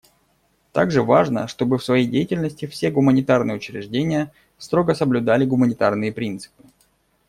Также важно, чтобы в своей деятельности все гуманитарные учреждения строго соблюдали гуманитарные принципы.